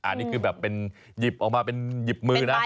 อันนี้คือแบบเป็นหยิบออกมาเป็นหยิบมือนะ